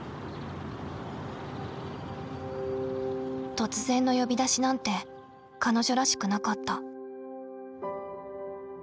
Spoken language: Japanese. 突然の呼び出しなんて彼女らしくなかった。